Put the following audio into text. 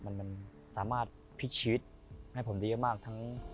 มันสามารถพลิกชีวิตให้ผมได้มากทั้ง